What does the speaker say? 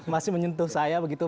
masih menyentuh saya begitu